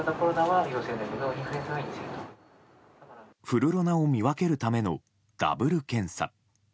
フルロナを見分けるためのダブル検査。